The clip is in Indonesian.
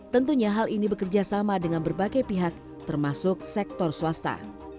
tentunya hal ini bekerja sama dengan berbagai pihak termasuk sektor swasta